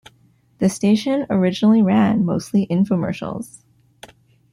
The station originally ran mostly infomercials.